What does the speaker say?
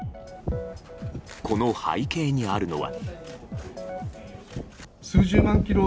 この背景にあるのは。